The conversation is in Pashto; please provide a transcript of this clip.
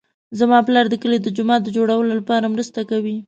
زما پلار د کلي د جومات د جوړولو لپاره مرسته کوي